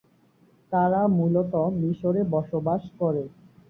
তারা মূলত মিশরে বসবাস করে।